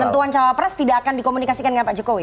penentuan cawapres tidak akan dikomunikasikan dengan pak jokowi